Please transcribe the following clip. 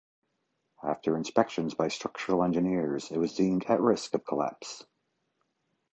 After inspections by structural engineers, it was deemed at risk of collapse.